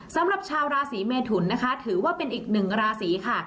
สำหรับชาวราศีเมทุนนะคะถือว่าเป็นอีกหนึ่งราศีค่ะ